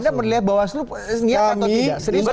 anda melihat bawaslu siap atau tidak